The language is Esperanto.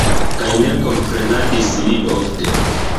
Kaj ne komprenadis li ofte.